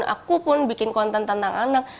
aku pun bikin konten tentang anak